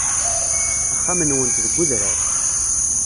Axxam-nwent deg udrar.